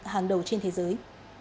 hàng đầu trên thế giới